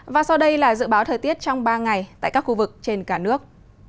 và sau đây là dự báo thời tiết trong ba ngày tại các khu vực trên cả nước